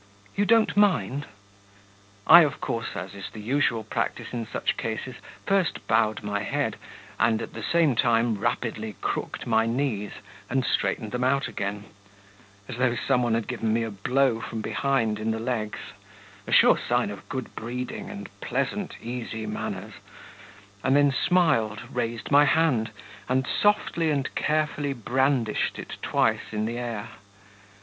'You don't mind?' I, of course, as is the usual practice in such cases, first bowed my head, and at the same time rapidly crooked my knees, and straightened them out again (as though some one had given me a blow from behind in the legs, a sure sign of good breeding and pleasant, easy manners), and then smiled, raised my hand, and softly and carefully brandished it twice in the air.